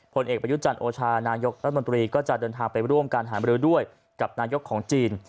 ผลเอกประยุจันทร์โอชานายกรัฐมนตรีก็จะเดินทางไปร่วมการหามรือด้วยกับนายกของจีน